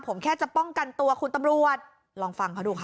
ผมแค่จะป้องกันตัวคุณตำรวจลองฟังเขาดูค่ะ